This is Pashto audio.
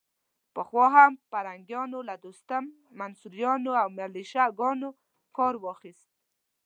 پخوا هم پرنګیانو له دوستم، منصوریانو او ملیشه ګانو کار واخيست.